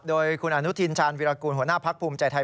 โดยคุณอนุทินชาญวิรากูลหัวหน้าพักภูมิใจไทย